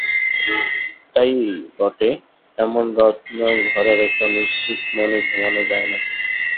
তাই বটে, এমন রত্ন ঘরে রেখেও নিশ্চিন্ত মনে ঘুমনো যায় না।